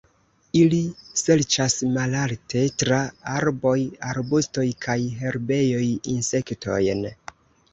Ili serĉas malalte tra arboj, arbustoj kaj herbejoj insektojn.